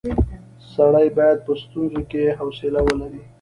سړی باید په ستونزو کې حوصله ولري.